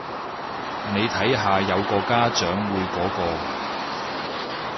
你睇下有個家長會嗰個